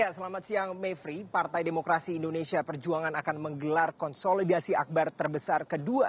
selamat siang mevri partai demokrasi indonesia perjuangan akan menggelar konsolidasi akbar terbesar kedua